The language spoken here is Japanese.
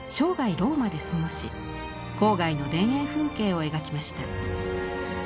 ローマで過ごし郊外の田園風景を描きました。